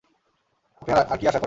আপনি আর কী আশা করেন?